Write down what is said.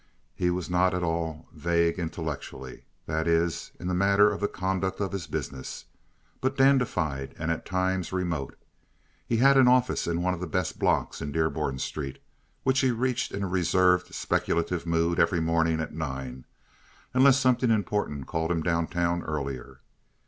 He was not at all vague intellectually—that is, in the matter of the conduct of his business—but dandified and at times remote. He had an office in one of the best blocks in Dearborn Street, which he reached in a reserved, speculative mood every morning at nine, unless something important called him down town earlier.